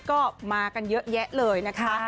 ก็มากันเยอะแยะเลยนะคะ